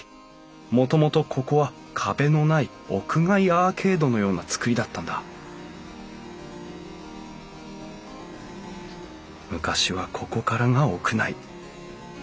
もともとここは壁のない屋外アーケードのような造りだったんだ昔はここからが屋内。